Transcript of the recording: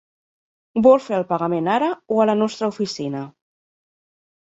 Vol fer el pagament ara o a la nostra oficina?